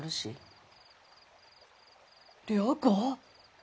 良子。